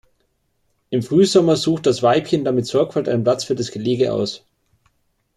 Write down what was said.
Im Frühsommer sucht das Weibchen dann mit Sorgfalt einen Platz für das Gelege aus.